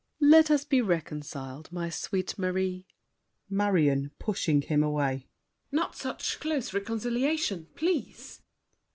Let us be reconciled, my sweet Marie! MARION (pushing him away). Not such close reconciliation, please!